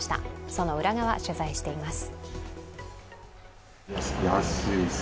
その裏側、取材しています。